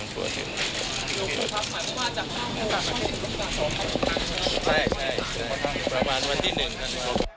ประมาณวันที่๑นะครับ